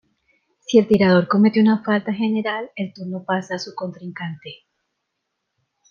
Si el tirador comete una falta general el turno pasa a su contrincante.